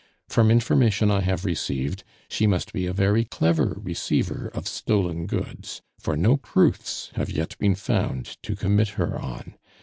"From information I have received she must be a very clever receiver of stolen goods, for no proofs have yet been found to commit her on.